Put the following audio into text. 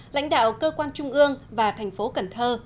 lãnh đạo cơ quan trung ương và thành phố cần thơ